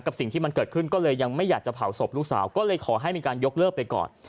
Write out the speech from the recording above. สิ่งที่มันเกิดขึ้นก็เลยยังไม่อยากจะเผาศพลูกสาวก็เลยขอให้มีการยกเลิกไปก่อน